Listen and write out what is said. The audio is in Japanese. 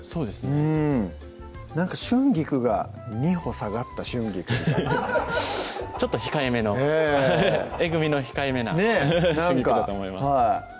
うんなんか春菊が２歩下がった春菊みたいなちょっと控えめのえぐみの控えめな春菊だと思います